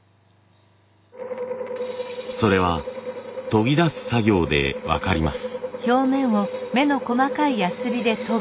それは研ぎ出す作業で分かります。